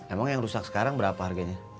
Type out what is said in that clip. emang yang rusak sekarang berapa harganya